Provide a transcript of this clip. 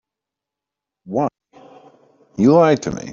Why, you lied to me.